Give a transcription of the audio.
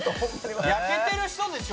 「焼けてる人でしょ？」